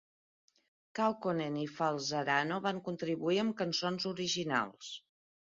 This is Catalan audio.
Kaukonen i Falzarano van contribuir amb cançons originals.